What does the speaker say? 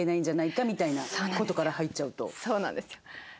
そうなんですよ。